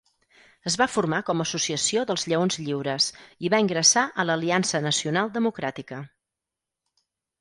Es va formar com Associació dels Lleons Lliures i va ingressar a l'Aliança Nacional Democràtica.